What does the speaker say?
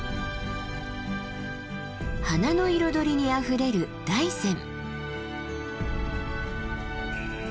花の彩りにあふれる大山。